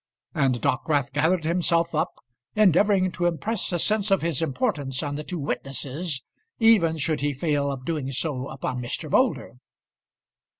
And Dockwrath gathered himself up, endeavouring to impress a sense of his importance on the two witnesses, even should he fail of doing so upon Mr. Moulder.